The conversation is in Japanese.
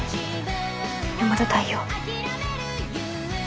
山田太陽。